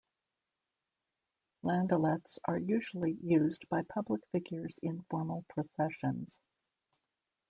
Landaulets are usually used by public figures in formal processions.